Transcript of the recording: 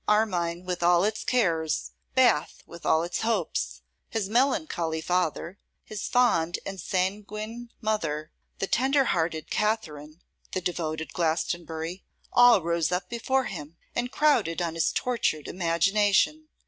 Armine with all its cares, Bath with all its hopes; his melancholy father, his fond and sanguine mother, the tender hearted Katherine, the devoted Glastonbury, all rose up before him, and crowded on his tortured imagination.